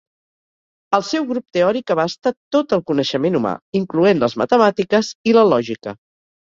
El seu grup teòric abasta "tot" el coneixement humà, incloent les matemàtiques i la lògica.